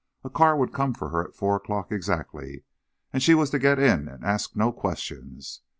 A car would come for her at four o'clock, exactly, and she was to get in and ask no questions.